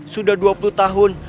sudah dua puluh tahun